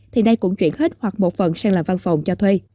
thì nay cũng chuyển hết hoặc một phần sang làm văn phòng cho thuê